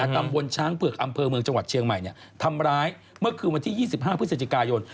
ตำบลช้างเผือกอำเภอเมืองจังหวัดเชียงใหม่ทำร้ายเมื่อคืนวันที่๒๕พฤศจิกายน